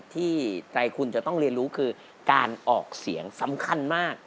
ที่ใจคุณจะต้องเรียนรู้คือการออกเสียงสำคัญมาก